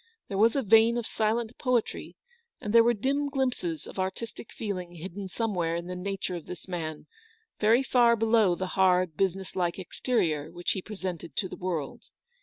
There was a vein of silent poetry, and there were dim glimpses of artistic feeling hidden somewhere in the nature of this man, very far below the hard, business like ex it a 2U terior which he presented to the world.